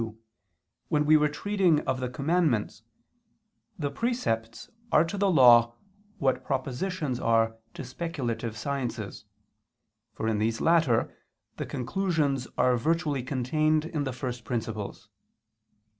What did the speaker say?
2) when we were treating of the commandments, the precepts are to the Law what propositions are to speculative sciences, for in these latter, the conclusions are virtually contained in the first principles.